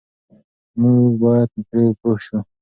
موږ بايد پرې پوه شو.